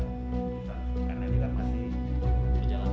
nous juga ada persetujuan